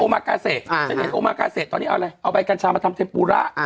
มากาเซฉันเห็นโอมากาเซตอนนี้เอาอะไรเอาใบกัญชามาทำเทมปูระ